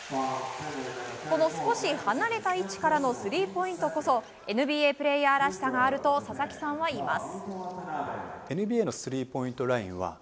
この少し離れた位置からのスリーポイントこそＮＢＡプレーヤーらしさがあると佐々木さんは言います。